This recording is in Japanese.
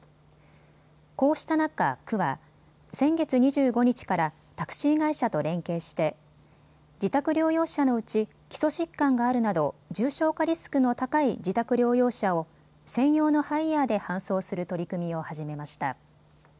こうした中、区は先月２５日からタクシー会社と連携して自宅療養者のうち基礎疾患があるなど重症化リスクの高い自宅療養者を専用のハイヤーで搬送する取り組みを始めました。